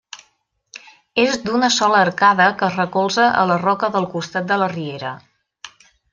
És d'una sola arcada que es recolza a la roca del costat de la riera.